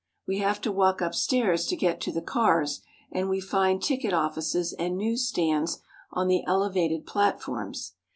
We have to walk upstairs to get to the cars, and we find ticket offices and news stands on the elevated platforms.